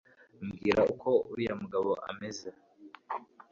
mbwira uko uriya mugabo ameze